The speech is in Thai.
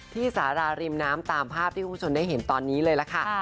ที่สาราริมน้ำตามภาพที่ผู้ชมได้เห็นตอนนี้เลยแล้วครับ